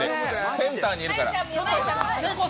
センターにいるから。